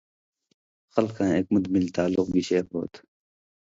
خَلکاں ایک مُت مِلیۡ تعلق گِشے ہو تُھو،